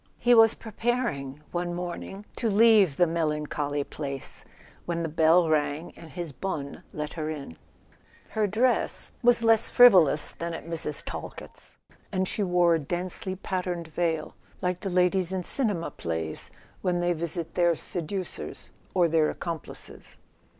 He was preparing, one morning, to leave the melan¬ choly place, when the bell rang and his bonne let her in. Her dress was less frivolous than at Mrs. Talkett's, and she wore a densely patterned veil, like the ladies in cinema plays when they visit their seducers or their accomplices.